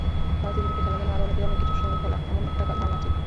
ভারতের বিপক্ষে খেলা মানে আরও অনেক কিছুর সঙ্গে খেলা, এমন একটা ধারণা আছেই।